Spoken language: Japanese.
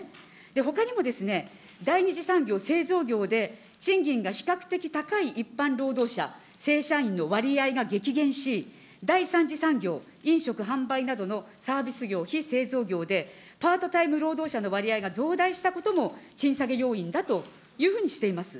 ほかにも、第２次産業、製造業で賃金が比較的高い一般労働者、正社員の割合が激減し、第３次産業、飲食・販売などのサービス業、非製造業でパートタイム労働者の割合が増大したことも、賃下げ要因だというふうにしています。